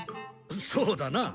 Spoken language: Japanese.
そうだな。